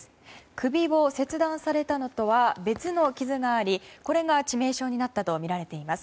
首を切断されたのとは別の傷がありこれが致命傷になったとみられています。